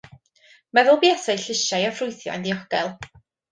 Meddwl buasai llysiau a ffrwythau yn ddiogel.